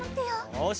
よし。